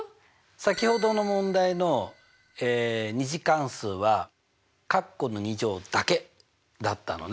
先ほどの問題の２次関数はカッコの２乗だけだったのね。